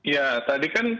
ya tadi kan